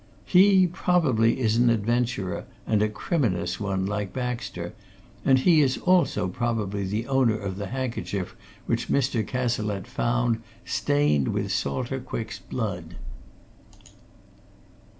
He, probably, is an adventurer, and a criminous one, like Baxter, and he is also probably the owner of the handkerchief which Mr. Cazalette found, stained with Salter Quick's blood!"